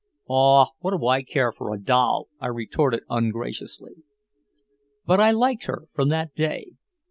"Aw, what do I care for a doll?" I retorted ungraciously. But I liked her from that day.